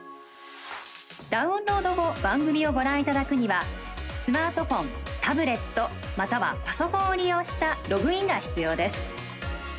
ダウンロード後番組をご覧いただくにはスマートフォン、タブレットまたはパソコンを利用したログインが必要です。